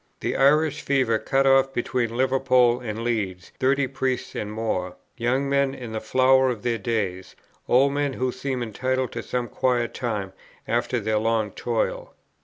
The Irish fever cut off between Liverpool and Leeds thirty priests and more, young men in the flower of their days, old men who seemed entitled to some quiet time after their long toil.